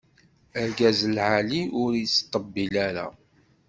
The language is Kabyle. Argaz lɛali ur as-teṭṭebbil ara.